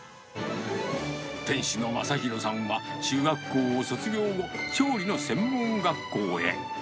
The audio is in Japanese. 店主のまさひろさんは、中学校を卒業後、調理の専門学校へ。